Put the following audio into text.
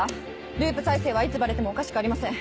ループ再生はいつバレてもおかしくありません。